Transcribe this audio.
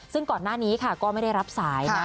ซึ่งก่อนหน้านี้ค่ะก็ไม่ได้รับสายนะ